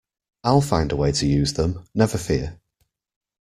I'll find a way to use them, never fear!